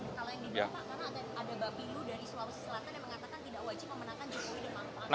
kalahin di depan pak karena ada bapilu dari sulawesi selatan yang mengatakan tidak wajib memenangkan jokowi di depan pak